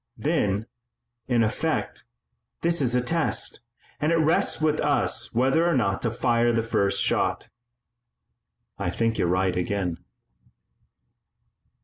"Then, in effect, this is a test, and it rests with us whether or not to fire the first shot." "I think you're right again."